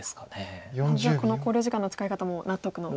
じゃあこの考慮時間の使い方も納得の。